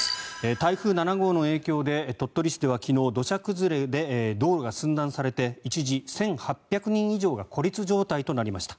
台風７号の影響で鳥取市では昨日土砂崩れで道路が寸断されて一時１８００人以上が孤立状態となりました。